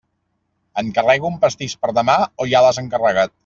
Encarrego un pastís per demà o ja l'has encarregat?